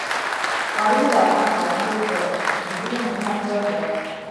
ښارونه د افغان کورنیو د دودونو مهم عنصر دی.